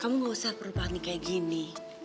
kamu gak usah perpani kayak gini